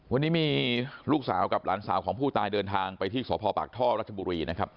วันนี้มีลูกสาวกับหลานสาวของผู้ตายเดินทางไปที่สพปากท่อรัชบุรีนะครับ